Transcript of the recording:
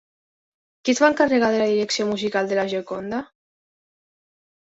Qui es va encarregar de la direcció musical de La Gioconda?